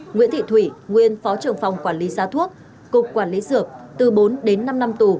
nguyễn thị thủy nguyên phó trưởng phòng quản lý giá thuốc cục quản lý dược từ bốn đến năm năm tù